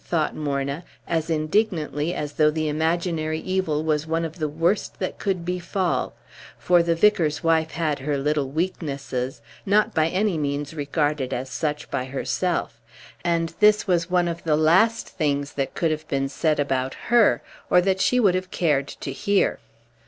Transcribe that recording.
thought Morna, as indignantly as though the imaginary evil was one of the worst that could befall; for the vicar's wife had her little weaknesses, not by any means regarded as such by herself; and this was one of the last things that could have been said about her, or that she would have cared to hear.